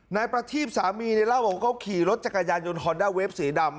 นายประทีบสามีเนี่ยเล่าบอกว่าเขาขี่รถจักรยานยนต์ฮอนด้าเวฟสีดำ